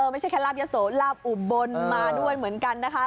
ไม่ใช่แค่ลาบยะโสลาบอุบลมาด้วยเหมือนกันนะคะ